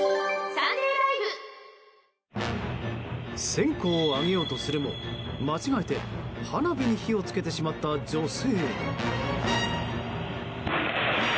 線香をあげようとするも間違えて花火に火を付けてしまった女性。